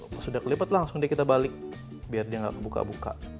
pas udah kelipet langsung kita balik biar dia nggak kebuka buka